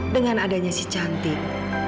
dengan adanya si cantik